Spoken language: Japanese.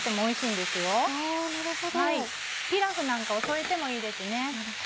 ピラフなんかを添えてもいいですね。